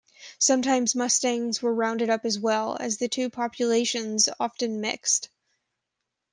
Sometimes Mustangs were rounded up as well, as the two populations often mixed.